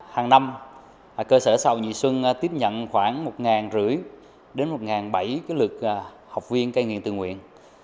hàng năm cơ sở sàu nhị xuân tiếp nhận khoảng một năm trăm linh đến một bảy trăm linh lượt học viên cai nghiện tự nguyện